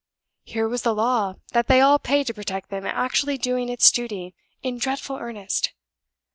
Here was the law that they all paid to protect them actually doing its duty in dreadful earnest!